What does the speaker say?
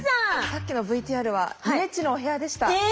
さっきのＶＴＲはゆめっちのお部屋でした。